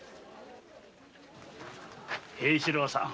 平四郎さん